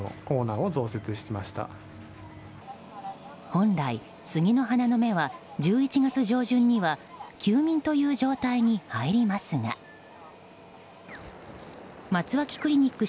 本来、スギの花の眼は１１月上旬には休眠という状態に入りますが松脇クリニック